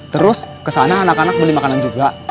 terus kesana anak anak beli makanan juga